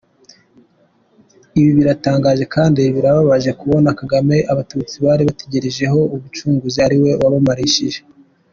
Ibi biratangaje kandi birababaje, kubona Kagame abatutsi bari bategerejeho umucunguzi, ari we wabamarishije!